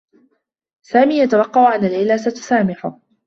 سامي يتوقّع أنّ ليلى ستسامحه.